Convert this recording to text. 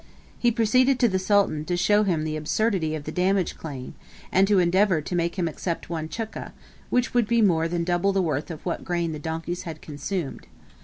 He proceeded to the Sultan to show him the absurdity of the damage claim, and to endeavour to make him accept one chukka, which would be more than double the worth of what grain the donkeys had consumed.